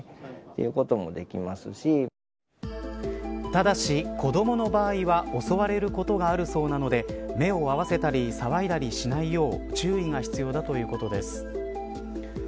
ただし、子どもの場合は襲われることがあるそうなので目を合わせたり騒いだりしないよう注意が必要だということです。